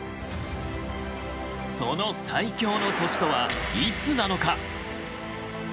その最強の年とはいつなのか！？